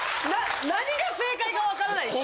何が正解か分からないし。